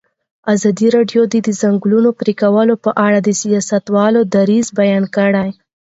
ازادي راډیو د د ځنګلونو پرېکول په اړه د سیاستوالو دریځ بیان کړی.